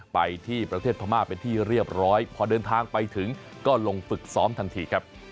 ไปที่ประเทศพม่าเป็นที่เรียบร้อยพอเดินทางไปถึงก็ลงฝึกซ้อมทันทีครับ